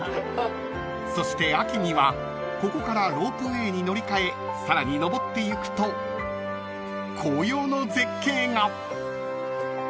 ［そして秋にはここからロープウェイに乗り換えさらにのぼっていくと紅葉の絶景が］